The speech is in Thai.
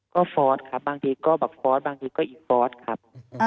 ก็ฟอสครับบางทีก็ฟอสบางทีก็อีกฟอสครับ